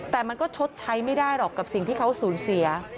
แต่มันก็ชดใช้ไม่ได้หรอกกับสิ่งที่เขาสูญเสีย